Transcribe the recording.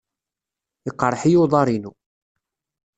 Yeqreḥ-iyi uḍar-inu.